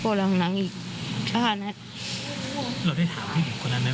โปล่องหลังผ่านหนังอีกช่างนั้น